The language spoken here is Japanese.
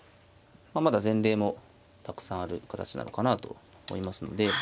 まだ前例もたくさんある形なのかなと思いますので。